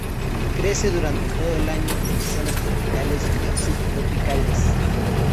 Crece durante todo el año en zonas tropicales y subtropicales.